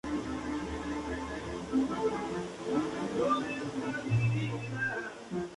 Este erudito tradujo la obra casi completa, pero no el trabajo en su totalidad.